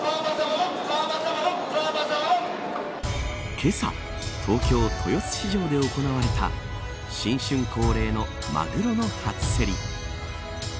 けさ、東京豊洲市場で行われた新春恒例のマグロの初競り。